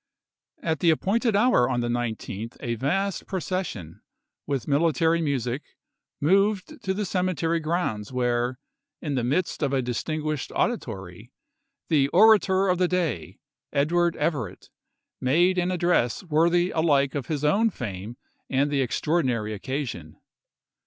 At the appointed hour on the 19th a vast pro cession, with military music, moved to the ceme tery grounds where, in the midst of a distinguished auditory, the orator of the day, Edward Everett, made an address worthy alike of his own fame and the extraordinary occasion.